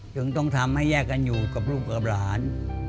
จึงต้องทำให้แยกกันอยู่กับลูกกับหลาน